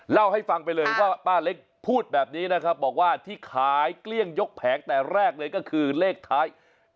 เล่าให้ฟังไปเลยว่าป้าเล็กพูดแบบนี้นะครับบอกว่าที่ขายเกลี้ยงยกแผงแต่แรกเลยก็คือเลขท้าย